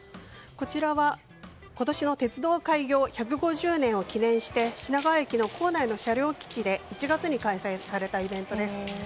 こちらは、今年鉄道開業１５０年を記念して品川駅構内の車両基地で１月に開催されたイベントです。